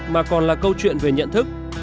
mà còn là câu chuyện về nhận thức